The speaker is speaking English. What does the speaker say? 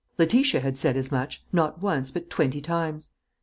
Letitia had said as much, not once, but twenty times.